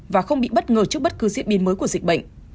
và không bị bất ngờ trước bất cứ diễn biến mới của dịch bệnh